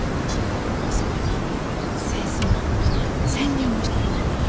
もうそこに清掃員として潜入もしてるの。